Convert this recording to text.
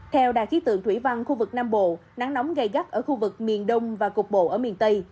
theo đạt khí tượng thủy văn khu vực nam bộ nắng nóng gây gắt ở khu vực miền đông và cục bổ miền tây